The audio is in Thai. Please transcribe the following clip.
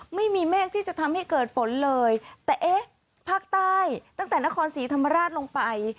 ไม่มีเมฆที่จะทำให้เกิดฝนเลยแต่เอ๊ะภาคใต้ตั้งแต่นครศรีธรรมราชลงไป